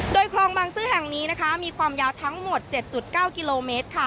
โดยคลองบางซื่อแห่งนี้นะคะมีความยาวทั้งหมด๗๙กิโลเมตรค่ะ